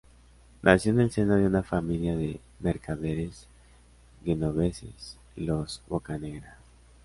Nació en el seno de una familia de mercaderes genoveses, los Boccanegra.